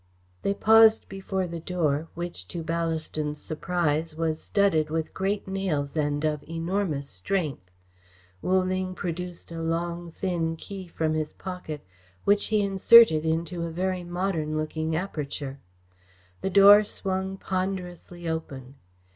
They paused before the door which, to Ballaston's surprise, was studded with great nails and of enormous strength. Wu Ling produced a long, thin key from his pocket, which he inserted into a very modern looking aperture. The door swung ponderously open.